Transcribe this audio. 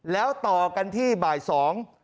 แล้วต่อกันที่บ่ายสอง